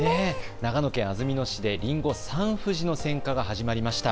長野県安曇野市でりんご、サンふじの選果が始まりました。